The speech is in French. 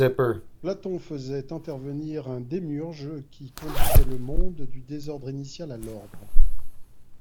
Platon faisait intervenir un démiurge qui conduisait le monde du désordre initial à l'ordre.